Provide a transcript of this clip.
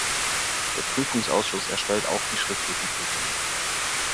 Der Prüfungsausschuss erstellt auch die schriftlichen Prüfungen.